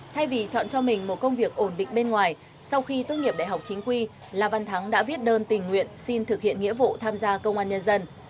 thay vì chọn cho mình một công việc ổn định bên ngoài sau khi tốt nghiệp đại học chính quy là văn thắng đã viết đơn tình nguyện xin thực hiện nghĩa vụ tham gia công an nhân dân